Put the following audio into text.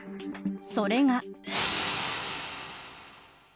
それが。